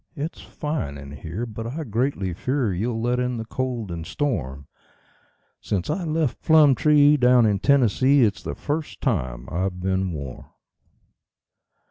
It's fine in here, but I greatly fear you'll let in the cold and storm Since I left Plumtree, down in Tennessee, it's the first time I've been warm."